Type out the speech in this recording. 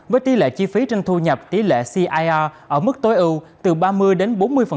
với tỷ lệ chi phí trên thu nhập tỷ lệ cir ở mức tối ưu từ ba mươi đến bốn mươi